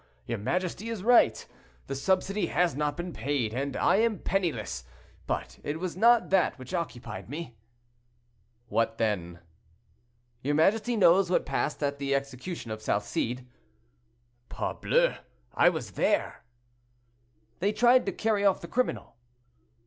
your majesty is right; the subsidy has not been paid, and I am penniless. But it was not that which occupied me." "What then?" "Your majesty knows what passed at the execution of Salcede?" "Parbleu! I was there." "They tried to carry off the criminal."